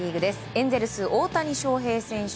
エンゼルス、大谷翔平選手